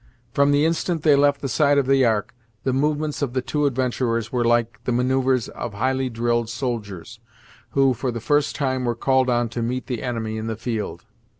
From the instant they left the side of the ark, the movements of the two adventurers were like the manoeuvres of highly drilled soldiers, who, for the first time were called on to meet the enemy in the field.